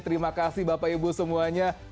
terima kasih bapak ibu semuanya